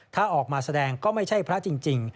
ถ้าออกมาแสดงก็ไม่ใช่พระจริง